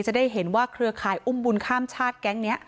จะได้เห็นว่าเครือข่ายอุ้มบุญข้ามชาติแก๊งนี้